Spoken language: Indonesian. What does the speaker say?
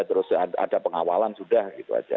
terus ada pengawalan sudah gitu aja